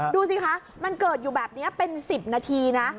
ดูสิคะมันเกิดอยู่แบบนี้เป็น๑๐นาทีนะ